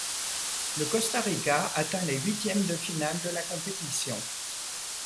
Le Costa Rica atteint les huitièmes de finale de la compétition.